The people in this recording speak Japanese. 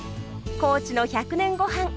高知の「１００年ゴハン」